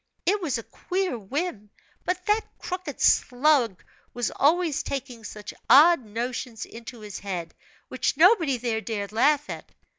It was a queer whim; but that crooked slug was always taking such odd notions into his head, which nobody there dared laugh at.